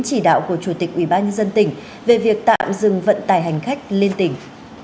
chỉ đạo của chủ tịch ubnd tỉnh về việc tạm dừng vận tải hành khách liên tỉnh